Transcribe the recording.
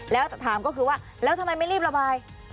แล้วถามก็คือว่าแล้วทำไมไม่รีบระบาย